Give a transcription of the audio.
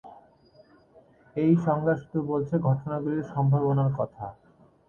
এই সংজ্ঞা শুধু বলছে ঘটনাগুলির সম্ভাবনার কথা।